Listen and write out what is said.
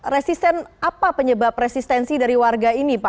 resisten apa penyebab resistensi dari warga ini pak